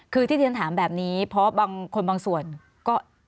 คือที่ที่ฉันถามแบบนี้เพราะบางคนบางส่วนก็